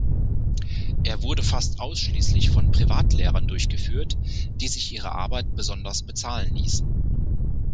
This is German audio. Er wurde fast ausschließlich von Privatlehrern durchgeführt, die sich ihre Arbeit besonders bezahlen ließen.